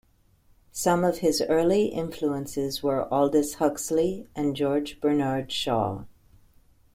Some of his early influences were Aldous Huxley and George Bernard Shaw.